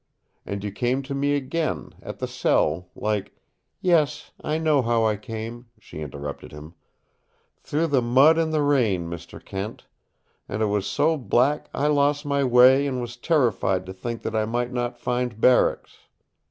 And you came to me again, at the cell, like " "Yes, I know how I came," she interrupted him. "Through the mud and the rain, Mr. Kent. And it was so black I lost my way and was terrified to think that I might not find barracks.